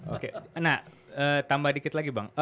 oke nah tambah dikit lagi bang